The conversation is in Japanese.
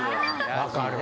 分かる。